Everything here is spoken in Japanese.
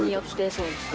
そうですね。